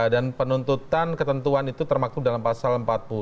dan penuntutan ketentuan itu termaktub dalam pasal empat puluh